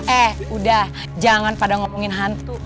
eh udah jangan pada ngomongin hantu